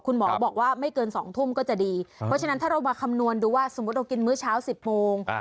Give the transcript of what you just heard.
คุณหมอบอกว่าไม่เกิน๒ทุ่มก็จะดีเพราะฉะนั้นถ้าเรามาคำนวณดูว่าสมมุติเรากินมื้อเช้า๑๐โมง